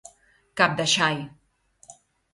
Cap de xai.